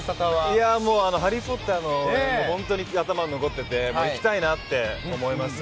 もう、ハリー・ポッターの本当に頭残ってて、行きたいなって思いました